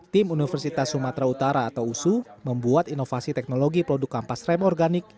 tim universitas sumatera utara atau usu membuat inovasi teknologi produk kampas rem organik